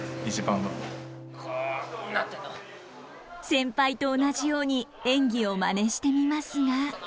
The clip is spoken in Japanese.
先輩と同じように演技をまねしてみますが。